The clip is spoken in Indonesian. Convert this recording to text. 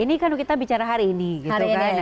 ini kan kita bicara hari ini gitu kan